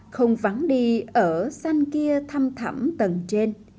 không vắng đi ở xanh kia thăm thẩm tầng trên